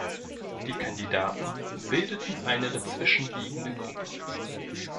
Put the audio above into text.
Die "Kandidaten" bildeten eine dazwischenliegende Gruppe.